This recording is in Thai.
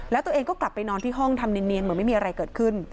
แล้วตัวเองก็กลับไปนอนที่ห้องทำเนียนเหมือนไม่มีอะไรเกิดขึ้น